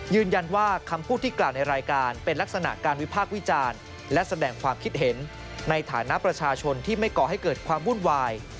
คำพูดที่กล่าวในรายการเป็นลักษณะการวิพากษ์วิจารณ์และแสดงความคิดเห็นในฐานะประชาชนที่ไม่ก่อให้เกิดความวุ่นวาย